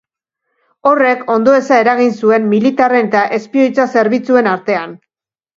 Horrek ondoeza eragin zuen militarren eta espioitza zerbitzuen artean.